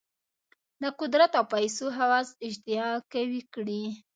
د قدرت او پیسو هوس اشتها قوي کړې.